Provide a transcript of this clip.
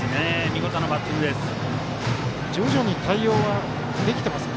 見事なバッティングです。